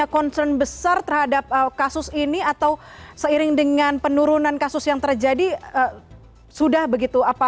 concern besar terhadap kasus ini atau seiring dengan penurunan kasus yang terjadi sudah begitu